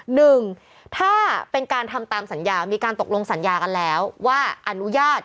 หนึ่งถ้าเป็นการทำตามสัญญามีการตกลงสัญญากันแล้วว่าอนุญาต